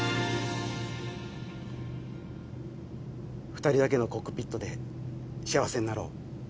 ２人だけのコックピットで幸せになろう。